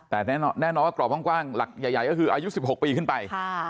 แต่แน่นอนว่ากรอบกว้างหลักใหญ่ก็คืออายุ๑๖ปีขึ้นไป